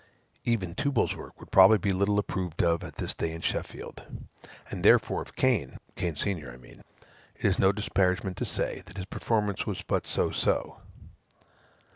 Even Tubal's work would probably be little approved at this day in Sheffield; and therefore of Cain (Cain senior, I mean,) it is no disparagement to say, that his performance was but so so.